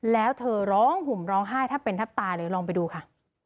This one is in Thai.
แล้วเธอร้องห่มร้องไห้แทบเป็นแทบตายเลยลองไปดูค่ะ